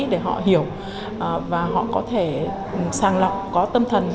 để họ hiểu và họ có thể sàng lọc có tâm thần